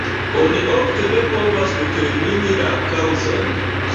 Oni ofte ne povas determini la kaŭzon.